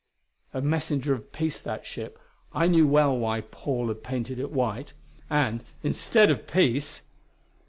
A messenger of peace, that ship; I knew well why Paul had painted it white. And, instead of peace